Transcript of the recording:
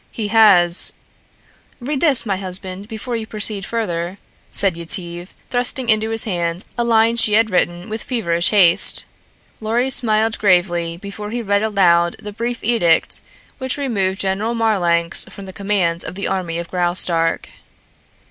He has " "Read this, my husband, before you proceed further," said Yetive, thrusting into his hand a line she had written with feverish haste. Lorry smiled gravely before he read aloud the brief edict which removed General Marlanx from the command of the army of Graustark.